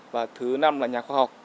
và thứ năm là nhà khoa học